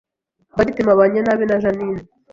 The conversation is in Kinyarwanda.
Rwagitima abanye nabi na Jeaninne